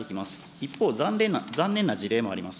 一方残念な事例もあります。